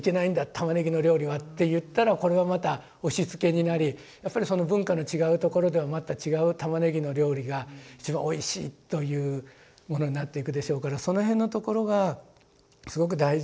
玉ねぎの料理はって言ったらこれはまた押しつけになりやっぱりその文化の違うところではまた違う玉ねぎの料理が一番おいしいというものになっていくでしょうからその辺のところがすごく大事なんじゃないかと。